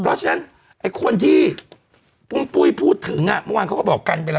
เพราะฉะนั้นไอ้คนที่ปุ้งปุ้ยพูดถึงอ่ะเมื่อวานเขาก็บอกกันไปแล้ว